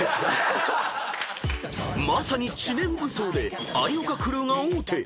［まさに知念無双で有岡クルーが王手］